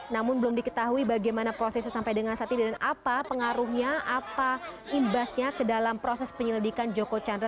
namun belum diketahui bagaimana prosesnya sampai dengan saat ini dan apa pengaruhnya apa imbasnya ke dalam proses penyelidikan joko chandra